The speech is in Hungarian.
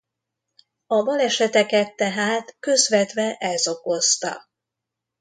A baleseteket tehát közvetve ez okozta.